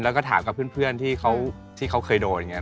แล้วก็ถามกับเพื่อนที่เขาเคยโดนอย่างนี้